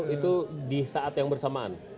itu di saat yang bersamaan